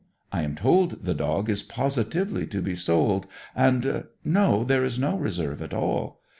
I am told the dog is positively to be sold, and No, there is no reserve at all.